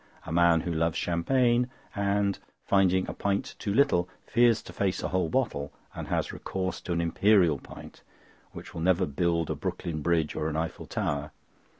A man who loves champagne and, finding a pint too little, fears to face a whole bottle and has recourse to an imperial pint, will never build a Brooklyn Bridge or an Eiffel Tower.